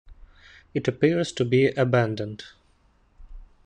It appears to be abandoned.